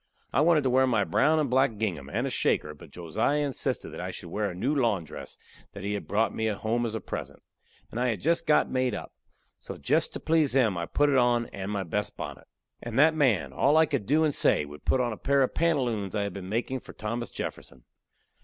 I wanted to wear my brown and black gingham, and a shaker, but Josiah insisted that I should wear a new lawn dress that he had brought me home as a present, and I had jest got made up. So jest to please him, I put it on, and my best bonnet. And that man, all I could do and say, would put on a pair of pantaloons I had been a makin' for Thomas Jefferson.